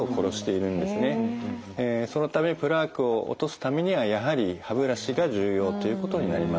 そのためプラークを落とすためにはやはり歯ブラシが重要ということになります。